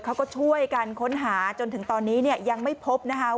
เขาก็ช่วยกันค้นหาจนถึงตอนนี้เนี่ยยังไม่พบนะคะ